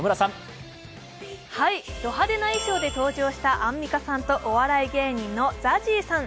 ど派手な衣装で登場したアンミカさんとお笑い芸人のＺＡＺＹさん。